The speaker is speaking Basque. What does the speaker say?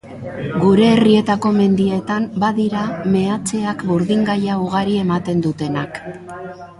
Gure herrietako mendietan badira meatzeak burdingaia ugari ematen dutenak.